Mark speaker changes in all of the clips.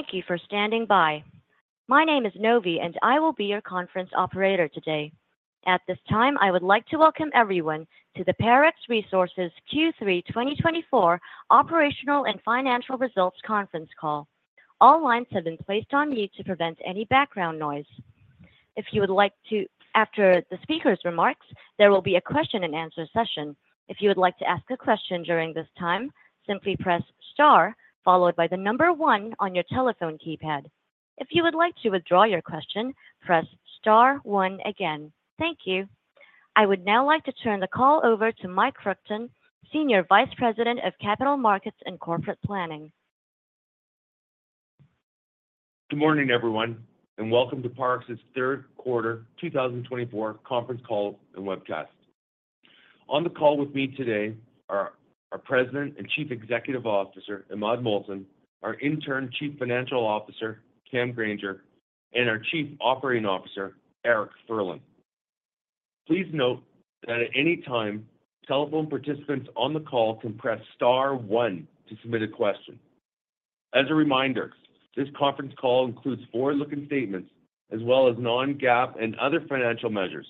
Speaker 1: Thank you for standing by. My name is Novi, and I will be your conference operator today. At this time, I would like to welcome everyone to the Parex Resources Q3 2024 Operational and Financial Results Conference Call. All lines have been placed on mute to prevent any background noise. If you would like to, after the speaker's remarks, there will be a question-and-answer session. If you would like to ask a question during this time, simply press star followed by the number one on your telephone keypad. If you would like to withdraw your question, press star one again. Thank you. I would now like to turn the call over to Mike Kruchten, Senior Vice President of Capital Markets and Corporate Planning.
Speaker 2: Good morning, everyone, and welcome to Parex's third quarter 2024 conference call and webcast. On the call with me today are our President and Chief Executive Officer, Imad Mohsen, our Interim Chief Financial Officer, Cam Grainger, and our Chief Operating Officer, Eric Furlan. Please note that at any time, telephone participants on the call can press star one to submit a question. As a reminder, this conference call includes forward-looking statements as well as non-GAAP and other financial measures,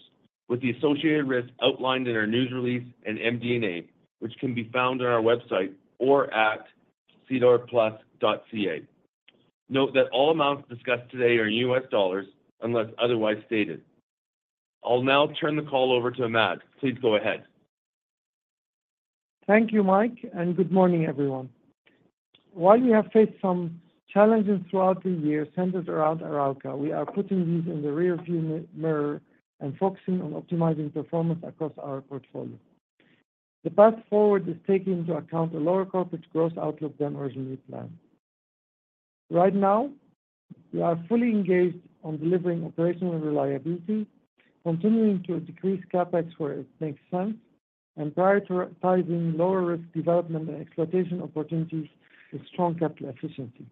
Speaker 2: with the associated risks outlined in our news release and MD&A, which can be found on our website or at SEDARplus.ca. Note that all amounts discussed today are in U.S. dollars unless otherwise stated. I'll now turn the call over to Imad. Please go ahead.
Speaker 3: Thank you, Mike, and good morning, everyone. While we have faced some challenges throughout the year centered around Arauca, we are putting these in the rearview mirror and focusing on optimizing performance across our portfolio. The path forward is taking into account a lower corporate growth outlook than originally planned. Right now, we are fully engaged on delivering operational reliability, continuing to decrease CapEx where it makes sense, and prioritizing lower-risk development and exploitation opportunities with strong capital efficiency.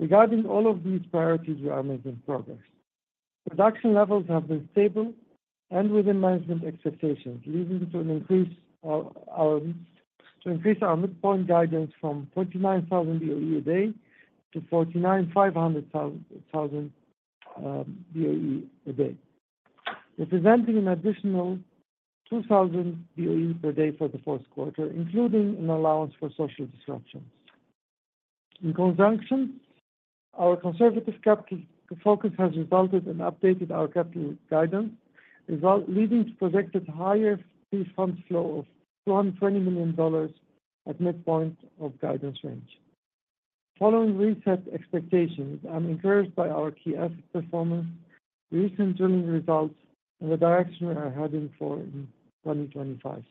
Speaker 3: Regarding all of these priorities, we are making progress. Production levels have been stable and within management expectations, leading to an increase of our midpoint guidance from 29,000 BOE a day to 49,500 BOE a day, representing an additional 2,000 BOE per day for the fourth quarter, including an allowance for social disruptions. In conjunction, our conservative capital focus has resulted in updated our capital guidance, leading to projected higher free-fund flow of $220 million at midpoint of guidance range. Following reset expectations and encouraged by our key asset performance, recent drilling results, and the direction we are heading for in 2025,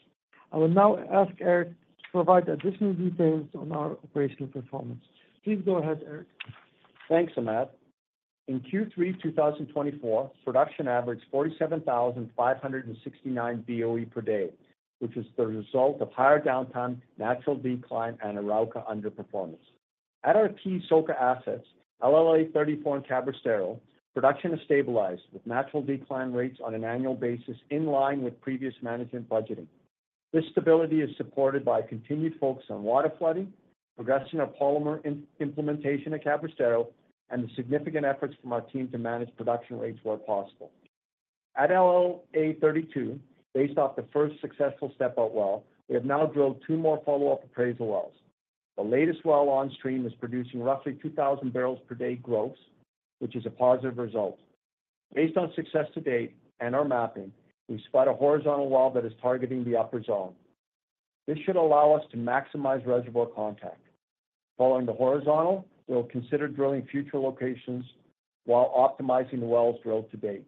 Speaker 3: I will now ask Eric to provide additional details on our operational performance. Please go ahead, Eric.
Speaker 4: Thanks, Imad. In Q3 2024, production averaged 47,569 BOE per day, which was the result of higher downtime, natural decline, and Arauca underperformance. At our key SoCa assets, LLA-34 and Cabrestero, production has stabilized with natural decline rates on an annual basis in line with previous management budgeting. This stability is supported by continued focus on water flooding, progression of polymer implementation at Cabrestero, and the significant efforts from our team to manage production rates where possible. At LLA-32, based off the first successful step-out well, we have now drilled two more follow-up appraisal wells. The latest well on stream is producing roughly 2,000 barrels per day growth, which is a positive result. Based on success to date and our mapping, we spot a horizontal well that is targeting the upper zone. This should allow us to maximize reservoir contact. Following the horizontal, we'll consider drilling future locations while optimizing the wells drilled to date.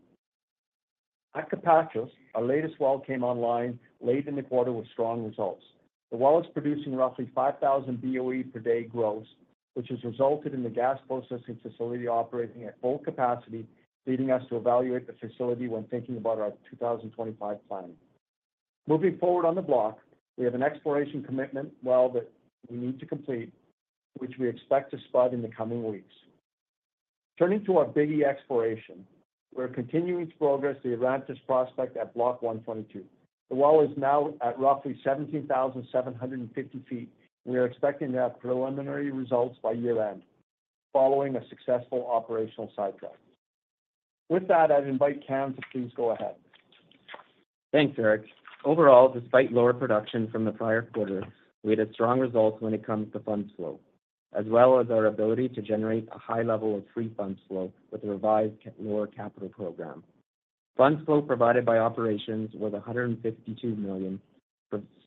Speaker 4: At Capachos, our latest well came online late in the quarter with strong results. The well is producing roughly 5,000 BOE per day growth, which has resulted in the gas processing facility operating at full capacity, leading us to evaluate the facility when thinking about our 2025 plan. Moving forward on the block, we have an exploration commitment well that we need to complete, which we expect to spot in the coming weeks. Turning to our Big E exploration, we're continuing to progress the Arantes prospect at Block 122. The well is now at roughly 17,750 feet, and we are expecting to have preliminary results by year-end following a successful operational sidetrack. With that, I'd invite Cam to please go ahead.
Speaker 5: Thanks, Eric. Overall, despite lower production from the prior quarter, we had strong results when it comes to funds flow, as well as our ability to generate a high level of free funds flow with the revised lower capital program. Funds flow provided by operations was $152 million,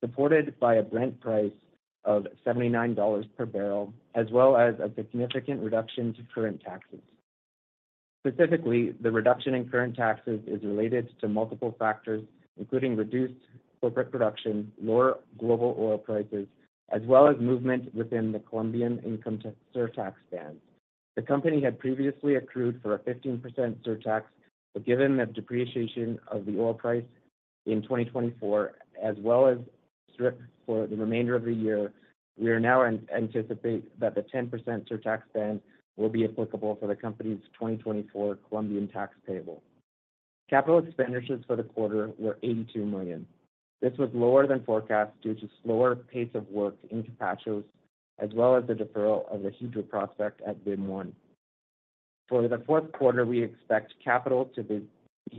Speaker 5: supported by a Brent price of $79 per barrel, as well as a significant reduction to current taxes. Specifically, the reduction in current taxes is related to multiple factors, including reduced corporate production, lower global oil prices, as well as movement within the Colombian income tax surtax band. The company had previously accrued for a 15% surtax, but given the depreciation of the oil price in 2024, as well as strip for the remainder of the year, we now anticipate that the 10% surtax band will be applicable for the company's 2024 Colombian tax payable. Capital expenditures for the quarter were $82 million. This was lower than forecast due to slower pace of work in Capachos, as well as the deferral of the Hydra prospect at VIM-1. For the fourth quarter, we expect capital to be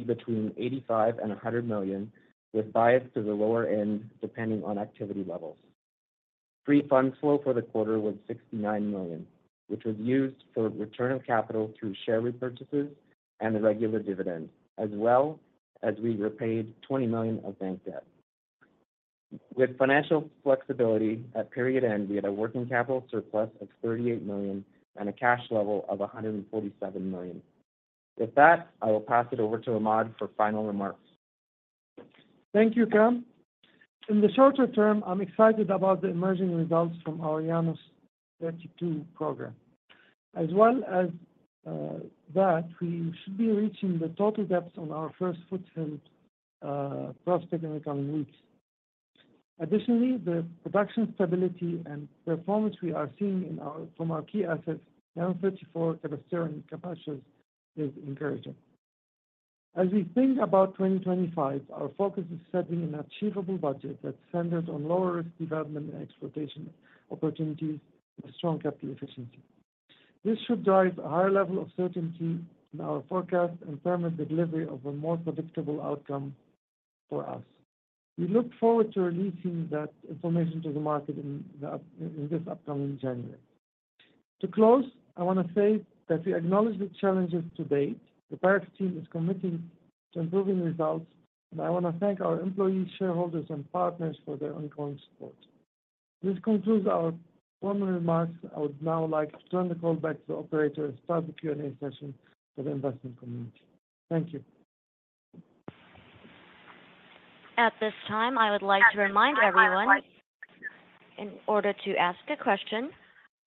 Speaker 5: between $85 and $100 million, with bias to the lower end depending on activity levels. Funds flow for the quarter was $69 million, which was used for return of capital through share repurchases and the regular dividend, as well as we repaid $20 million of bank debt. With financial flexibility at period end, we had a working capital surplus of $38 million and a cash level of $147 million. With that, I will pass it over to Imad for final remarks.
Speaker 3: Thank you, Cam. In the shorter term, I'm excited about the emerging results from LLA-32 program. As well as that, we should be reaching the total depths on our first foothill prospect in the coming weeks. Additionally, the production stability and performance we are seeing from our key assets, LLA-34, Cabrestero, and Capachos, is encouraging. As we think about 2025, our focus is setting an achievable budget that's centered on lower-risk development and exploitation opportunities with strong capital efficiency. This should drive a higher level of certainty in our forecast and permit the delivery of a more predictable outcome for us. We look forward to releasing that information to the market in this upcoming January. To close, I want to say that we acknowledge the challenges to date. The Parex team is committing to improving results, and I want to thank our employees, shareholders, and partners for their ongoing support. This concludes our formal remarks. I would now like to turn the call back to the operator and start the Q&A session for the investment community. Thank you.
Speaker 1: At this time, I would like to remind everyone, in order to ask a question,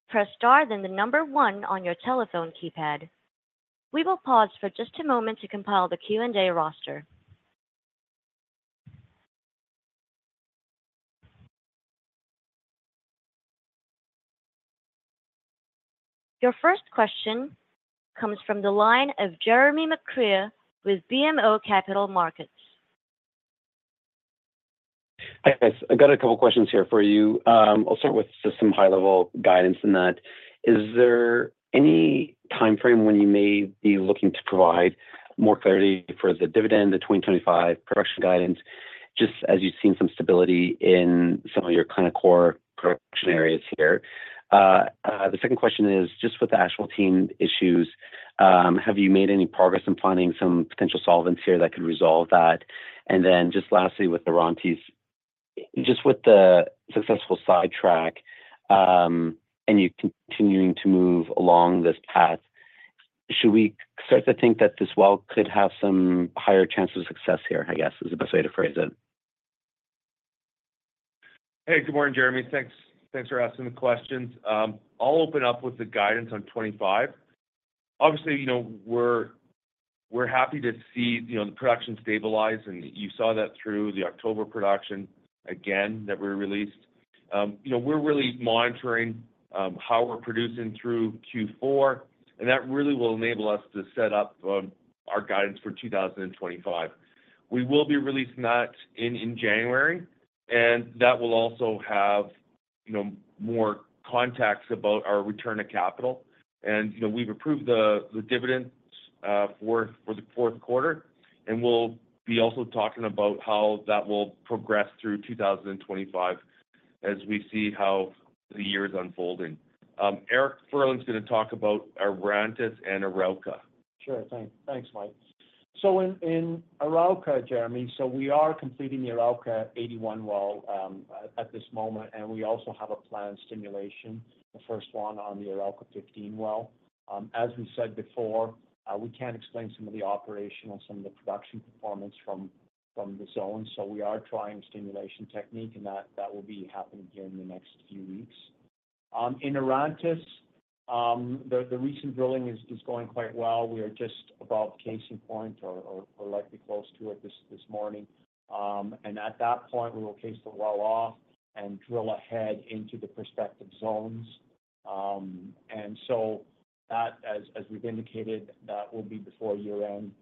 Speaker 1: press star then the number one on your telephone keypad. We will pause for just a moment to compile the Q&A roster. Your first question comes from the line of Jeremy McCrea with BMO Capital Markets.
Speaker 6: Hi, guys. I've got a couple of questions here for you. I'll start with just some high-level guidance in that. Is there any timeframe when you may be looking to provide more clarity for the dividend, the 2025 production guidance, just as you've seen some stability in some of your kind of core production areas here? The second question is just with the actual team issues. Have you made any progress in finding some potential solutions here that could resolve that? And then just lastly, with Arantes, just with the successful sidetrack and you continuing to move along this path, should we start to think that this well could have some higher chance of success here, I guess, is the best way to phrase it?
Speaker 2: Hey, good morning, Jeremy. Thanks for asking the questions. I'll open up with the guidance on 2025. Obviously, we're happy to see the production stabilize, and you saw that through the October production again that we released. We're really monitoring how we're producing through Q4, and that really will enable us to set up our guidance for 2025. We will be releasing that in January, and that will also have more context about our return of capital, and we've approved the dividend for the fourth quarter, and we'll be also talking about how that will progress through 2025 as we see how the year is unfolding. Eric Furlan's going to talk about Arantes and Arauca.
Speaker 4: Sure. Thanks, Mike. So in Arauca, Jeremy, we are completing the Arauca-81 well at this moment, and we also have a planned stimulation, the first one on the Arauca-15 well. As we said before, we can't explain some of the operational, some of the production performance from the zone. So we are trying stimulation technique, and that will be happening here in the next few weeks. In Arantes, the recent drilling is going quite well. We are just above casing point or likely close to it this morning, and at that point, we will case the well off and drill ahead into the prospective zones, and so that, as we've indicated, that will be before year-end.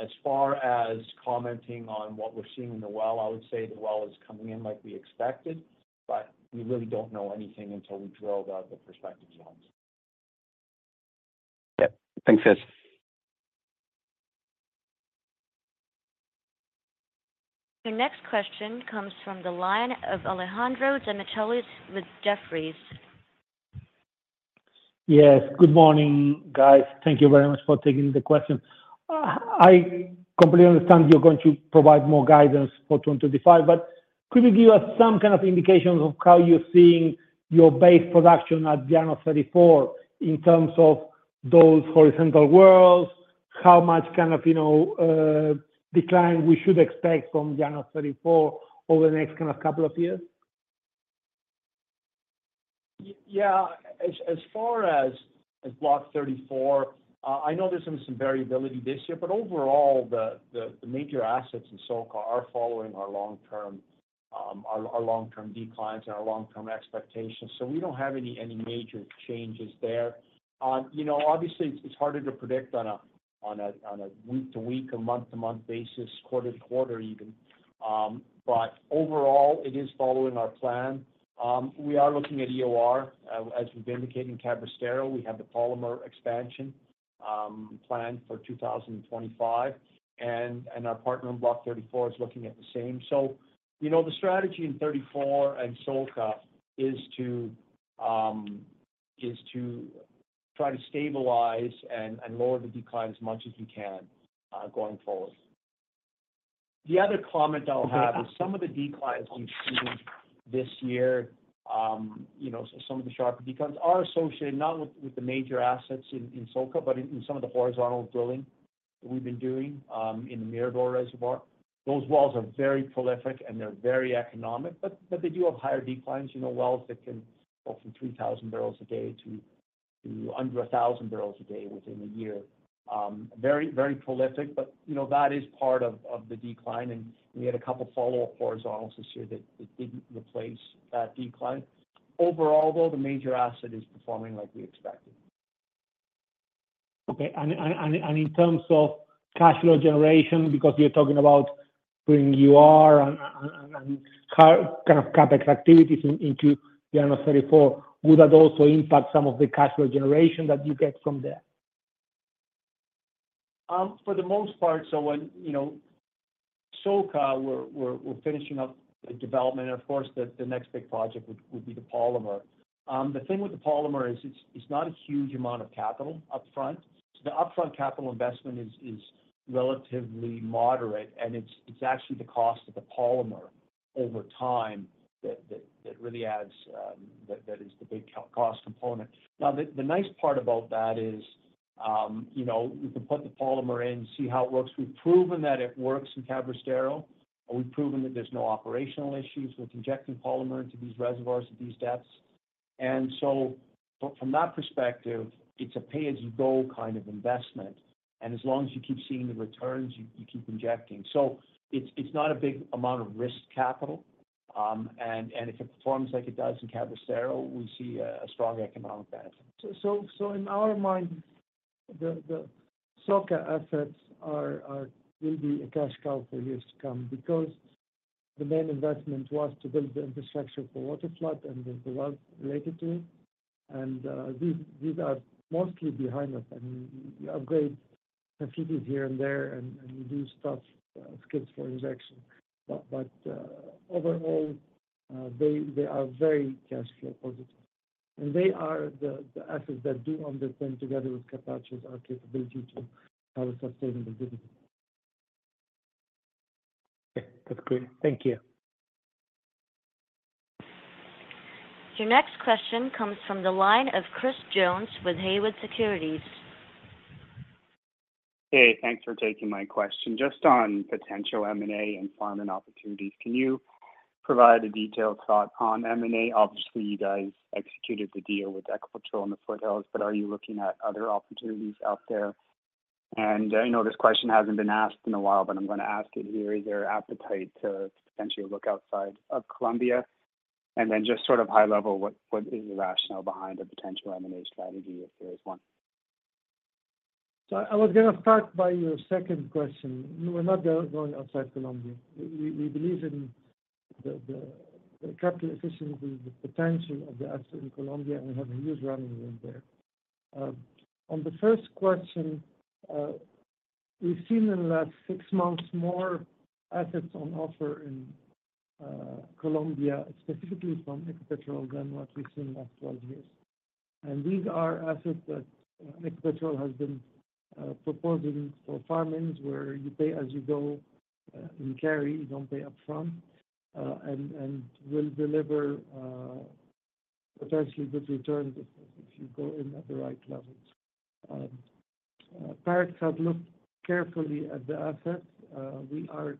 Speaker 4: As far as commenting on what we're seeing in the well, I would say the well is coming in like we expected, but we really don't know anything until we drill the prospective zones.
Speaker 6: Yep. Thanks, guys.
Speaker 1: The next question comes from the line of Alejandro Demichelis with Jefferies.
Speaker 7: Yes. Good morning, guys. Thank you very much for taking the question. I completely understand you're going to provide more guidance for 2025, but could you give us some kind of indication of how you're seeing your base production at LLA-34 in terms of those horizontal wells, how much kind of decline we should expect from LLA-34 over the next kind of couple of years?
Speaker 4: Yeah. As far as Block 34, I know there's been some variability this year, but overall, the major assets in SOCA are following our long-term declines and our long-term expectations. So we don't have any major changes there. Obviously, it's harder to predict on a week-to-week, a month-to-month basis, quarter-to-quarter even. But overall, it is following our plan. We are looking at EOR. As we've indicated in Cabrestero, we have the polymer expansion planned for 2025, and our partner in Block 34 is looking at the same. So the strategy in 34 and SOCA is to try to stabilize and lower the decline as much as we can going forward. The other comment I'll have is some of the declines we've seen this year, some of the sharper declines, are associated not with the major assets in SOCA, but in some of the horizontal drilling that we've been doing in the Mirador Reservoir. Those wells are very prolific, and they're very economic, but they do have higher declines. You know, wells that can go from 3,000 barrels a day to under 1,000 barrels a day within a year. Very prolific, but that is part of the decline, and we had a couple of follow-up horizontals this year that didn't replace that decline. Overall, though, the major asset is performing like we expected.
Speaker 7: Okay. And in terms of cash flow generation, because you're talking about bringing EOR and kind of CapEx activities into LLA-34, would that also impact some of the cash flow generation that you get from there?
Speaker 4: For the most part, so when SOCA, we're finishing up the development, of course, the next big project would be the polymer. The thing with the polymer is it's not a huge amount of capital upfront. So the upfront capital investment is relatively moderate, and it's actually the cost of the polymer over time that really adds that is the big cost component. Now, the nice part about that is we can put the polymer in, see how it works. We've proven that it works in Cabrestero. We've proven that there's no operational issues with injecting polymer into these reservoirs at these depths. And so from that perspective, it's a pay-as-you-go kind of investment. And as long as you keep seeing the returns, you keep injecting. So it's not a big amount of risk capital. And if it performs like it does in Cabrestero, we see a strong economic benefit. So in our mind, the SOCA assets will be a cash cow for years to come because the main investment was to build the infrastructure for water flood and the wells related to it. And these are mostly behind us. And you upgrade facilities here and there, and you do stuff, skids for injection. But overall, they are very cash flow positive. And they are the assets that do underpin together with Capachos our capability to have a sustainable dividend.
Speaker 7: Okay. That's great. Thank you.
Speaker 1: Your next question comes from the line of Chris Jones with Haywood Securities.
Speaker 8: Hey, thanks for taking my question. Just on potential M&A and farming opportunities, can you provide a detailed thought on M&A? Obviously, you guys executed the deal with Ecopetrol on the foothills, but are you looking at other opportunities out there? And I know this question hasn't been asked in a while, but I'm going to ask it here. Is there appetite to potentially look outside of Colombia? And then just sort of high level, what is the rationale behind a potential M&A strategy if there is one?
Speaker 3: I was going to start by your second question. We're not going outside Colombia. We believe in the capital efficiency, the potential of the asset in Colombia, and we have a huge running room there. On the first question, we've seen in the last six months more assets on offer in Colombia, specifically from Ecopetrol than what we've seen in the last 12 years. These are assets that Ecopetrol has been proposing for farming where you pay as you go in carry, you don't pay upfront, and will deliver potentially good returns if you go in at the right levels. Parex has looked carefully at the assets. We are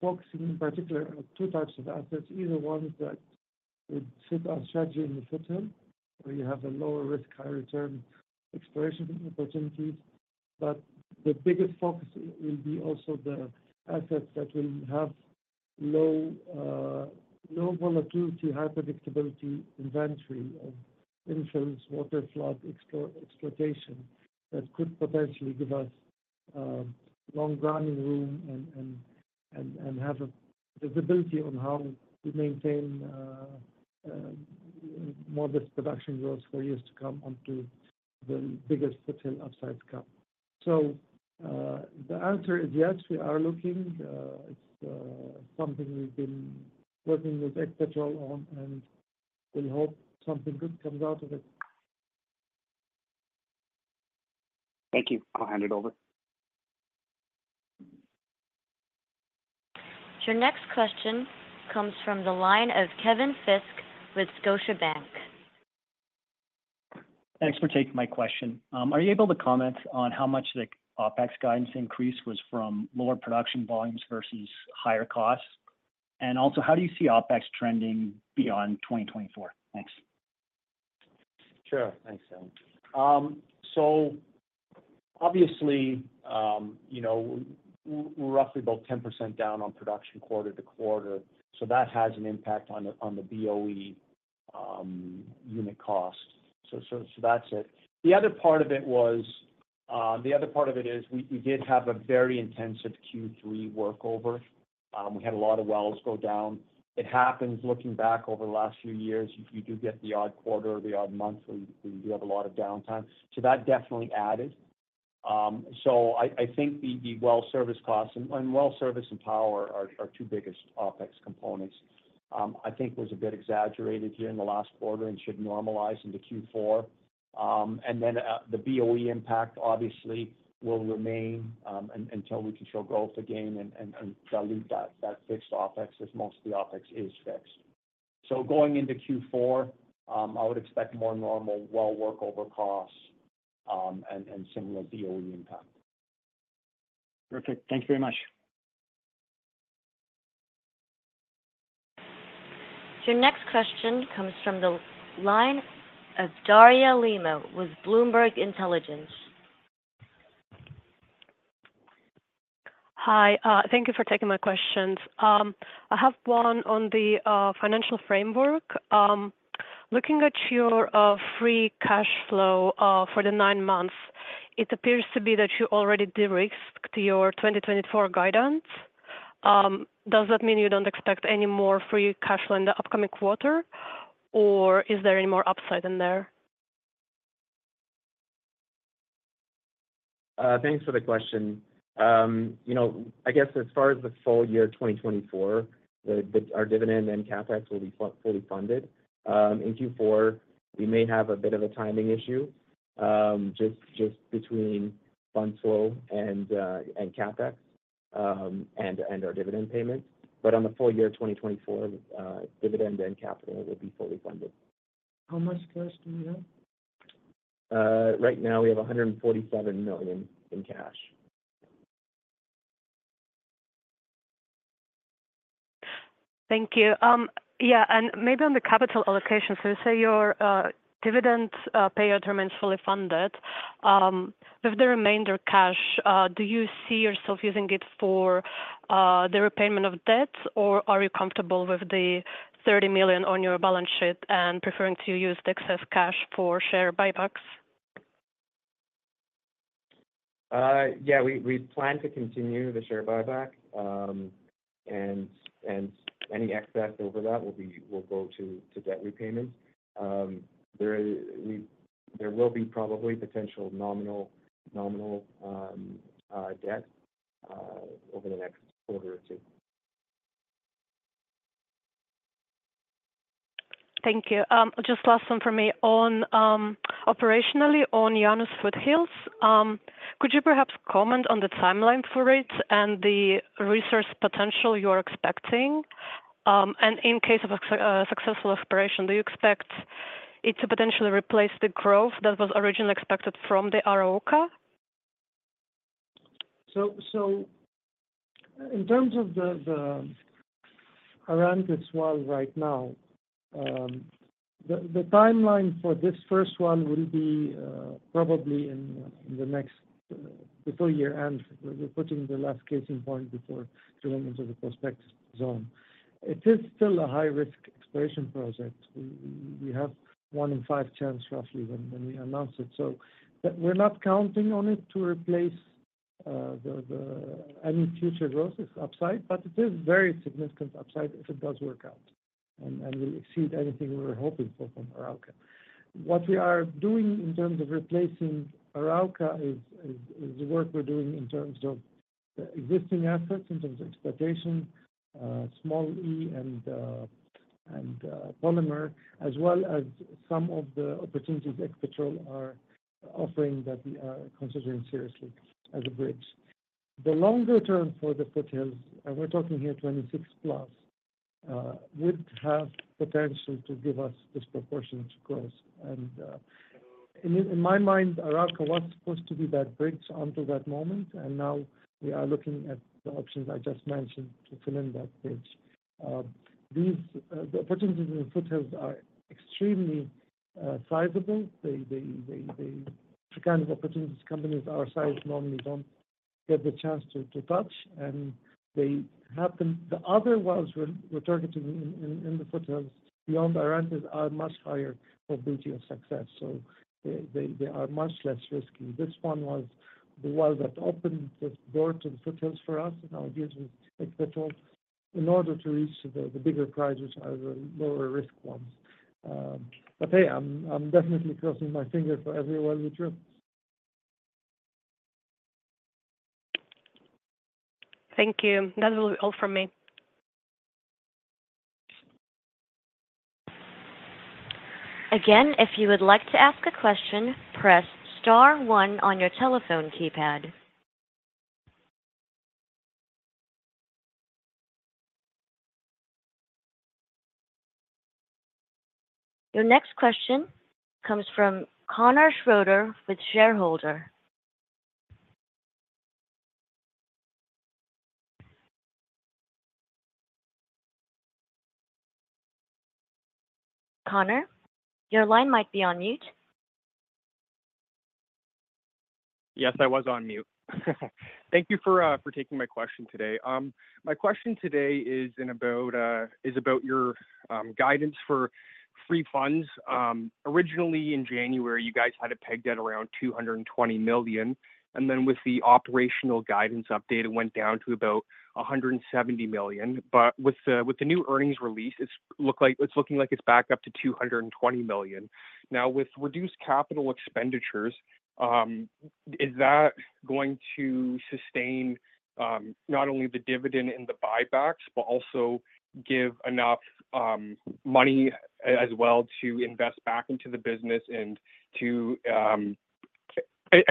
Speaker 3: focusing in particular on two types of assets, either ones that would fit our strategy in the foothill where you have a lower risk, high return exploration opportunities. But the biggest focus will be also the assets that will have low volatility, high predictability inventory of infills, water flood, exploitation that could potentially give us long running room and have a visibility on how we maintain more of this production growth for years to come onto the biggest foothill upside to come. So the answer is yes, we are looking. It's something we've been working with Ecopetrol on and will hope something good comes out of it.
Speaker 9: Thank you. I'll hand it over.
Speaker 1: Your next question comes from the line of Kevin Fisk with Scotiabank.
Speaker 10: Thanks for taking my question. Are you able to comment on how much the OpEx guidance increase was from lower production volumes versus higher costs? And also, how do you see OpEx trending beyond 2024? Thanks.
Speaker 4: Sure. Thanks, Sam. So obviously, we're roughly about 10% down on production quarter to quarter. So that has an impact on the BOE unit cost. So that's it. The other part of it was the other part of it is we did have a very intensive Q3 workover. We had a lot of wells go down. It happens looking back over the last few years. You do get the odd quarter or the odd month where you do have a lot of downtime. So that definitely added. So I think the well service costs and well service and power are two biggest OpEx components. I think was a bit exaggerated here in the last quarter and should normalize into Q4. And then the BOE impact obviously will remain until we can show growth again and dilute that fixed OpEx as most of the OpEx is fixed. So going into Q4, I would expect more normal well workover costs and similar BOE impact.
Speaker 10: Perfect. Thank you very much.
Speaker 1: Your next question comes from the line of Daria Lima with Bloomberg Intelligence.
Speaker 11: Hi. Thank you for taking my questions. I have one on the financial framework. Looking at your free cash flow for the nine months, it appears to be that you already de-risked your 2024 guidance. Does that mean you don't expect any more free cash flow in the upcoming quarter, or is there any more upside in there?
Speaker 5: Thanks for the question. I guess as far as the full year 2024, our dividend and CapEx will be fully funded. In Q4, we may have a bit of a timing issue just between fund flow and CapEx and our dividend payments. But on the full year 2024, dividend and capital will be fully funded.
Speaker 11: How much cash do you have?
Speaker 5: Right now, we have $147 million in cash.
Speaker 11: Thank you. Yeah. And maybe on the capital allocation, so you say your dividend payout remains fully funded. With the remainder cash, do you see yourself using it for the repayment of debts, or are you comfortable with the $30 million on your balance sheet and preferring to use the excess cash for share buybacks?
Speaker 5: Yeah. We plan to continue the share buyback, and any excess over that will go to debt repayments. There will be probably potential nominal debt over the next quarter or two.
Speaker 11: Thank you. Just last one for me. Operationally on Yana's foothills, could you perhaps comment on the timeline for it and the resource potential you're expecting? And in case of successful exploration, do you expect it to potentially replace the growth that was originally expected from the Arauca?
Speaker 3: So in terms of the Arantes well right now, the timeline for this first one will be probably in the next before year-end. We're putting the last casing point before going into the prospect zone. It is still a high-risk exploration project. We have one in five chance roughly when we announce it. So we're not counting on it to replace any future growth. It's upside, but it is very significant upside if it does work out and will exceed anything we were hoping for from Arauca. What we are doing in terms of replacing Arauca is the work we're doing in terms of existing assets, in terms of exploitation, small E and polymer, as well as some of the opportunities Ecopetrol are offering that we are considering seriously as a bridge. The longer term for the foothills, and we're talking here 26 plus, would have potential to give us disproportionate growth. And in my mind, Arauca was supposed to be that bridge until that moment, and now we are looking at the options I just mentioned to fill in that bridge. The opportunities in the foothills are extremely sizable. The kind of opportunities companies our size normally don't get the chance to touch, and they happen. The other wells we're targeting in the foothills beyond Arantes are much higher probability of success. So they are much less risky. This one was the well that opened the door to the foothills for us in our deals with Ecopetrol in order to reach the bigger prizes, which are the lower risk ones. But hey, I'm definitely crossing my finger for every well we drill.
Speaker 11: Thank you. That will be all from me.
Speaker 1: Again, if you would like to ask a question, press star one on your telephone keypad. Your next question comes from Connor Schroeder with shareholder. Connor, your line might be on mute.
Speaker 9: Yes, I was on mute. Thank you for taking my question today. My question today is about your guidance for free funds. Originally, in January, you guys had it pegged at around $220 million. And then with the operational guidance update, it went down to about $170 million. But with the new earnings release, it's looking like it's back up to $220 million. Now, with reduced capital expenditures, is that going to sustain not only the dividend and the buybacks, but also give enough money as well to invest back into the business and to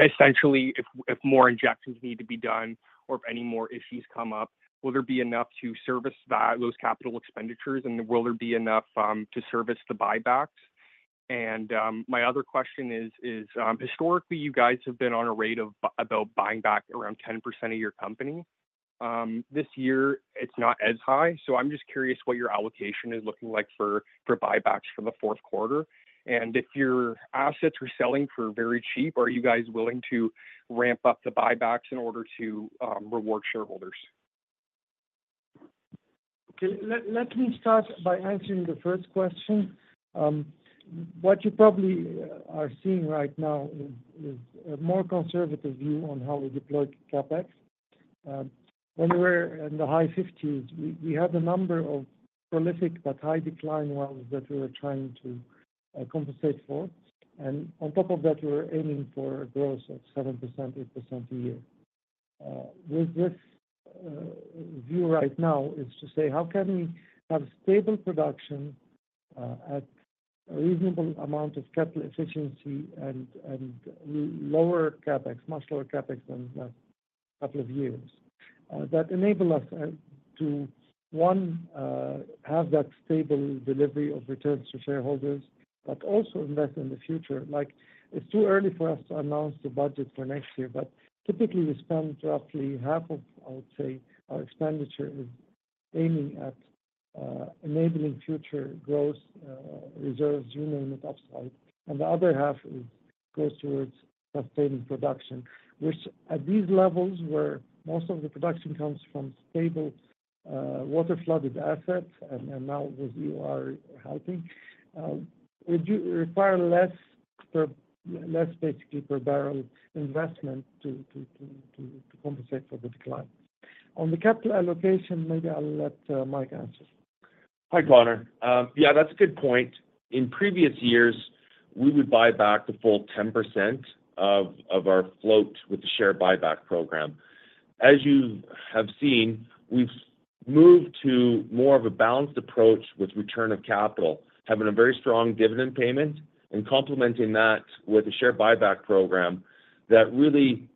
Speaker 9: essentially, if more injections need to be done or if any more issues come up, will there be enough to service those capital expenditures, and will there be enough to service the buybacks? And my other question is, historically, you guys have been on a rate of about buying back around 10% of your company. This year, it's not as high. So I'm just curious what your allocation is looking like for buybacks for the fourth quarter, and if your assets are selling for very cheap, are you guys willing to ramp up the buybacks in order to reward shareholders?
Speaker 3: Okay. Let me start by answering the first question. What you probably are seeing right now is a more conservative view on how we deploy CapEx. When we were in the high 50s, we had a number of prolific but high-decline wells that we were trying to compensate for. And on top of that, we were aiming for a growth of 7%, 8% a year. With this view right now, it's to say, how can we have stable production at a reasonable amount of capital efficiency and lower CapEx, much lower CapEx than the couple of years that enable us to, one, have that stable delivery of returns to shareholders, but also invest in the future? It's too early for us to announce the budget for next year, but typically, we spend roughly half of, I would say, our expenditure is aiming at enabling future growth reserves, you name it, upside. And the other half goes towards sustaining production, which at these levels, where most of the production comes from stable water-flooded assets and now with EOR helping, would require less, basically, per barrel investment to compensate for the decline. On the capital allocation, maybe I'll let Mike answer.
Speaker 2: Hi, Connor. Yeah, that's a good point. In previous years, we would buy back the full 10% of our float with the share buyback program. As you have seen, we've moved to more of a balanced approach with return of capital, having a very strong dividend payment and complementing that with a share buyback program that really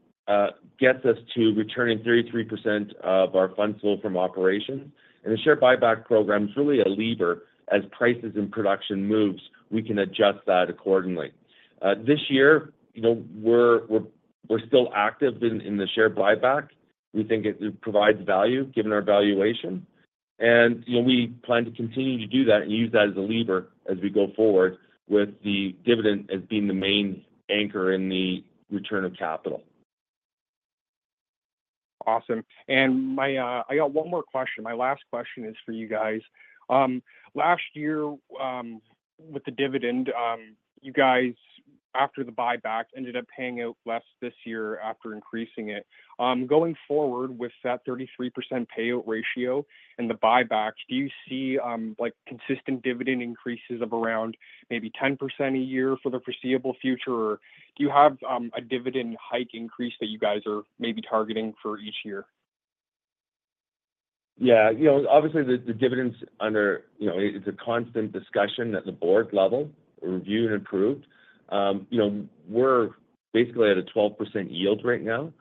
Speaker 2: gets us to returning 33% of our fund flow from operations. And the share buyback program is really a lever. As prices and production move, we can adjust that accordingly. This year, we're still active in the share buyback. We think it provides value given our valuation. And we plan to continue to do that and use that as a lever as we go forward with the dividend as being the main anchor in the return of capital.
Speaker 9: Awesome. And I got one more question. My last question is for you guys. Last year, with the dividend, you guys, after the buyback, ended up paying out less this year after increasing it. Going forward with that 33% payout ratio and the buyback, do you see consistent dividend increases of around maybe 10% a year for the foreseeable future, or do you have a dividend hike increase that you guys are maybe targeting for each year?
Speaker 2: Yeah. Obviously, the dividends under it, it's a constant discussion at the board level, reviewed and approved. We're basically at a 12% yield right now.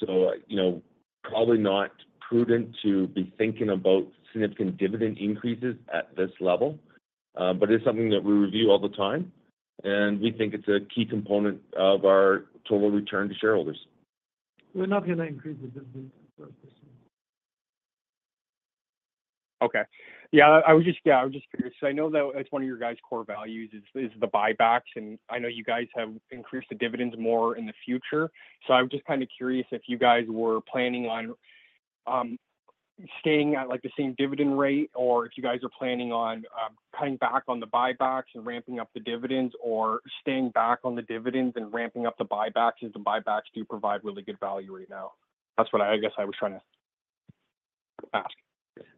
Speaker 2: So probably not prudent to be thinking about significant dividend increases at this level, but it is something that we review all the time, and we think it's a key component of our total return to shareholders.
Speaker 3: We're not going to increase the dividend for the first year.
Speaker 9: Okay. Yeah. I was just curious. I know that it's one of your guys' core values is the buybacks. And I know you guys have increased the dividends more in the future. So I was just kind of curious if you guys were planning on staying at the same dividend rate or if you guys are planning on cutting back on the buybacks and ramping up the dividends or staying back on the dividends and ramping up the buybacks as the buybacks do provide really good value right now. That's what I guess I was trying to ask.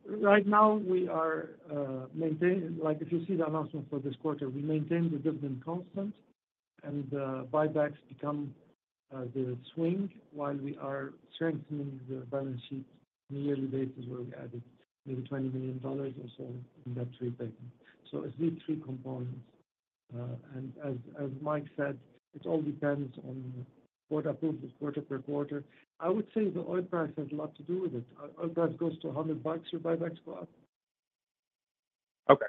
Speaker 3: Right now, we are maintaining. If you see the announcement for this quarter, we maintain the dividend constant, and the buybacks become the swing while we are strengthening the balance sheet in the early days where we added maybe $20 million or so in debt repayment. So it's these three components. And as Mike said, it all depends on quarter-to-quarter, per quarter. I would say the oil price has a lot to do with it. Oil price goes to $100, your buybacks go up.
Speaker 9: Okay.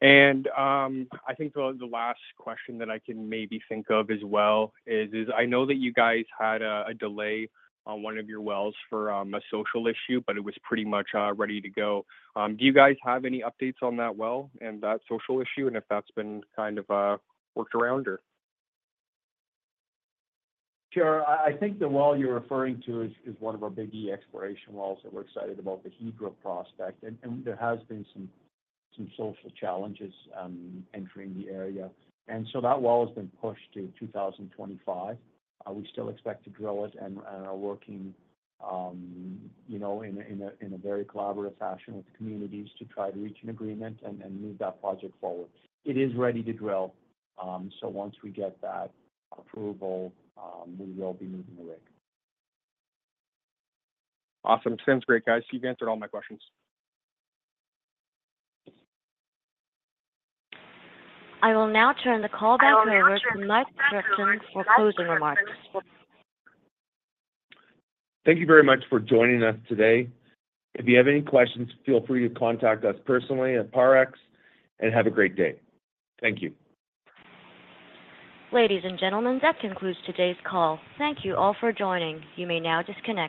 Speaker 9: And I think the last question that I can maybe think of as well is, I know that you guys had a delay on one of your wells for a social issue, but it was pretty much ready to go. Do you guys have any updates on that well and that social issue and if that's been kind of worked around or?
Speaker 2: Sure. I think the well you're referring to is one of our big E exploration wells that we're excited about, the Hydra Prospect. And there have been some social challenges entering the area. And so that well has been pushed to 2025. We still expect to drill it and are working in a very collaborative fashion with communities to try to reach an agreement and move that project forward. It is ready to drill. So once we get that approval, we will be moving the rig.
Speaker 9: Awesome. Sounds great, guys. You've answered all my questions.
Speaker 1: I will now turn the call back over to Mike Kruchten for closing remarks.
Speaker 2: Thank you very much for joining us today. If you have any questions, feel free to contact us personally at Parex, and have a great day. Thank you.
Speaker 1: Ladies and gentlemen, that concludes today's call. Thank you all for joining. You may now disconnect.